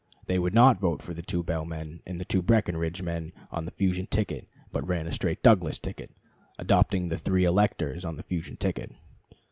They would not vote for the two Bell men and the two Breckinridge men on the fusion ticket, but ran a straight Douglas ticket, adopting the three electors on the fusion ticket.